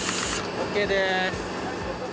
ＯＫです。